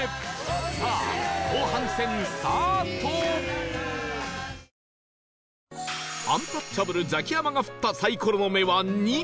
さあアンタッチャブルザキヤマが振ったサイコロの目は「２」